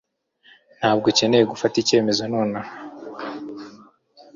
Ntabwo ukeneye gufata icyemezo nonaha.